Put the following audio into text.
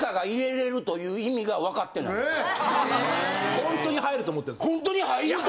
本当に入ると思ってる。